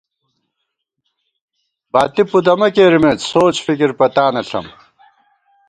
باتی پُدَمہ کېرَمېت سوچ فکِر پتانہ ݪم